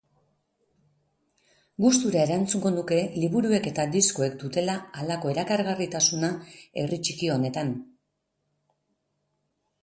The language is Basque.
Gustura erantzungo nuke, liburuek eta diskoek dutela halako erakargarritasuna herri txiki honetan.